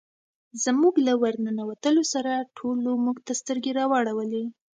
زموږ له ور ننوتلو سره ټولو موږ ته سترګې را واړولې.